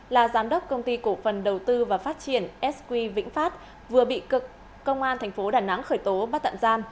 là giám đốc công ty cổ phần đầu tư và phát triển sq vĩnh phát vừa bị cực công an thành phố đà nẵng khởi tố bắt tạm giam